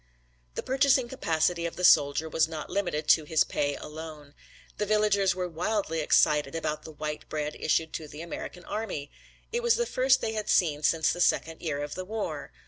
The purchasing capacity of the soldier was not limited to his pay alone. The villagers were wildly excited about the white bread issued to the American army. It was the first they had seen since the second year of the war.